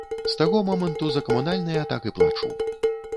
З таго моманту за камунальныя так і плачу.